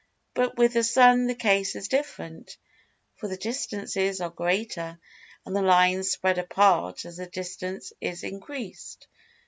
But with the Sun the case is different, for the distances are greater and the lines spread apart as the distance is increased.